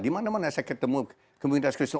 di mana mana saya ketemu komunitas kristung